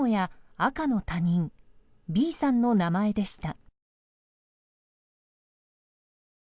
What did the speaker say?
赤の他人Ｂさんの名前でした。